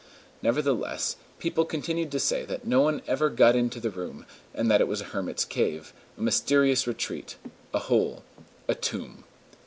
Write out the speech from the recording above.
Nevertheless, people continued to say that no one ever got into the room, and that it was a hermit's cave, a mysterious retreat, a hole, a tomb.